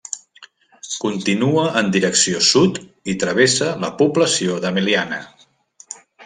Continua en direcció sud i travessa la població de Meliana.